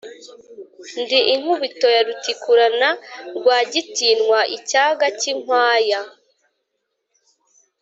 ndi inkubito ya rutikurana, rwagitinywa icyaga cy'inkwaya,